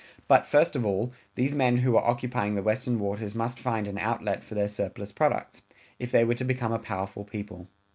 But, first of all, these men who were occupying the Western Waters must find an outlet for their surplus products, if they were to become a powerful people.